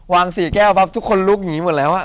๔แก้วปั๊บทุกคนลุกอย่างนี้หมดแล้ว